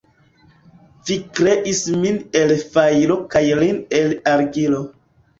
Vi kreis min el fajro kaj lin el argilo.